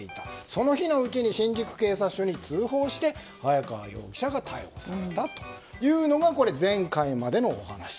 その日のうちに新宿警察署に通報して、早川容疑者が逮捕されたというのが前回までのお話。